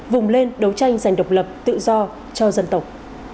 vùng lên đấu tranh giành độc lập tự do cho dân tộc